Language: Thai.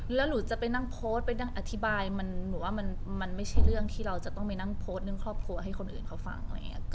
แล้วหนูจะไปนั่งโพสต์ไปนั่งอธิบายหนูว่ามันไม่ใช่เรื่องที่เราจะต้องไปนั่งโพสต์เรื่องครอบครัวให้คนอื่นเขาฟังอะไรอย่างนี้